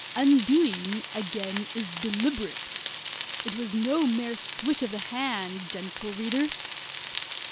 "Undoing," again, is deliberate it was no mere swish on the hand, gentle reader.